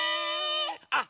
あっ！